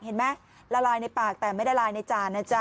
เห็นไหมละลายในปากแต่ไม่ได้ละลายในจานนะจ๊ะ